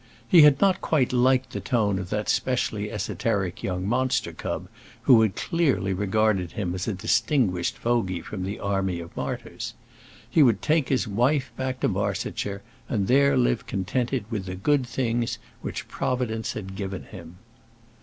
He had not quite liked the tone of that specially esoteric young monster cub, who had clearly regarded him as a distinguished fogey from the army of martyrs. He would take his wife back to Barsetshire, and there live contented with the good things which Providence had given him.